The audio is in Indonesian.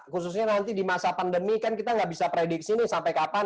khususnya nanti di masa pandemi kan kita nggak bisa prediksi nih sampai kapan